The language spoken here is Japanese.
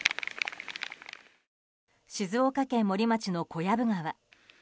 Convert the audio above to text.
静岡県森町の小藪川。